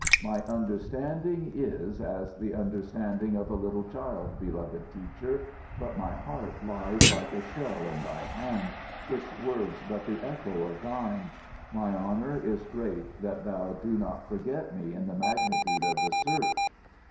"My understanding is as the understanding of a little child, beloved Teacher; but my heart lies like a shell in thy hand, its words but as the echo of thine. My honour is great that thou do not forget me in the magnitude of the search."